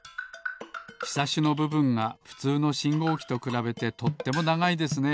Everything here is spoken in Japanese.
ひさしのぶぶんがふつうのしんごうきとくらべてとってもながいですね。